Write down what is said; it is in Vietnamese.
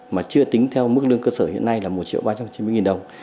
mà chưa tính theo mức lương cơ sở hiện nay là một triệu ba trăm chín mươi đồng